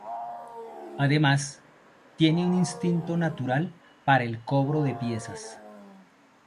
Además, tiene un instinto natural para el cobro de piezas.